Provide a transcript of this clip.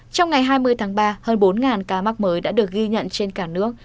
trong ngày hai mươi tháng ba hơn bốn ca mắc mới đã được ghi nhận trên cả nước